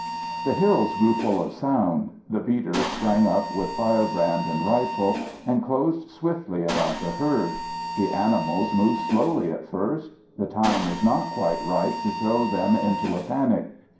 The hills grew full of sound. The beaters sprang up with firebrand and rifle, and closed swiftly about the herd. The animals moved slowly at first. The time was not quite ripe to throw them into a panic.